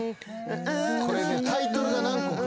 これタイトルが何個か。